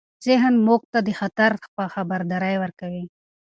ذهن موږ ته د خطر خبرداری ورکوي.